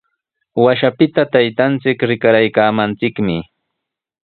Washapita taytanchik rikaraaykaamanchikmi.